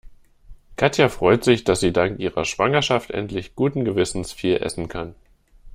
Katja freut sich, dass sie dank ihrer Schwangerschaft endlich guten Gewissens viel essen kann.